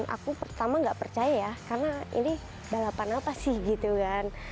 aku pertama gak percaya ya karena ini balapan apa sih gitu kan